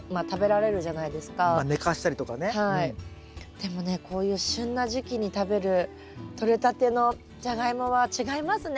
でもねこういう旬な時期に食べるとれたてのジャガイモは違いますね。